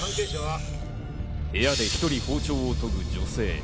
部屋で１人包丁を研ぐ謎の女性。